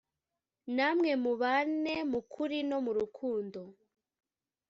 namwe mubane mu kuri no mu rukundo